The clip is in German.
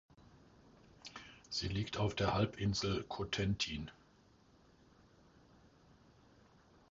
Sie liegt auf der Halbinsel Cotentin.